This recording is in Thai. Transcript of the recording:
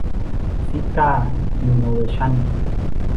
ซิก้า อินโนเวชั่น